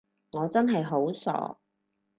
我真係好傻